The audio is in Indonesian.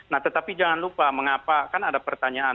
nah tetapi jangan lupa mengapa kan ada pertanyaan